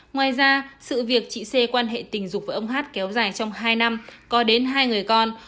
ngoài ra sự việc chị xê quan hệ tình dục với ông hát kéo dài trong hai năm có đến hai người con